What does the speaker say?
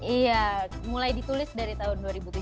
iya mulai ditulis dari tahun dua ribu tujuh belas